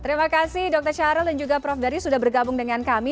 terima kasih dokter syahril dan juga prof dari sudah bergabung dengan kami